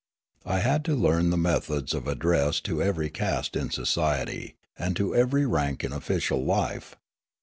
I had to learn the methods of address to every caste in society and to every rank in official life.